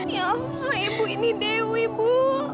ya allah ibu ini dewi bu